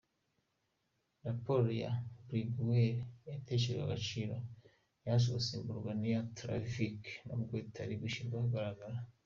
Raporo ya Bruguiere yateshejwe agaciro, yaje gusimburwa n’iya Trevedic nubwo itari yashyirwa ahagaragara.